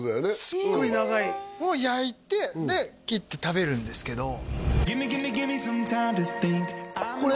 すっごい長いを焼いて切って食べるんですけどこれ？